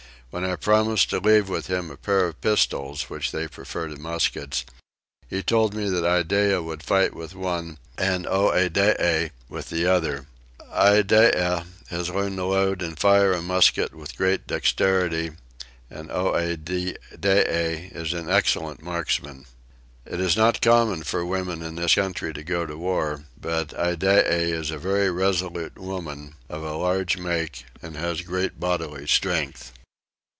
When I promised to leave with him a pair of pistols, which they prefer to muskets, he told me that Iddeah would fight with one and Oedidee with the other. Iddeah has learnt to load and fire a musket with great dexterity and Oedidee is an excellent marksman. It is not common for women in this country to go to war, but Iddeah is a very resolute woman, of a large make, and has great bodily strength.